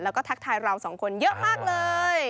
แล้วก็ทักทายเราสองคนเยอะมากเลย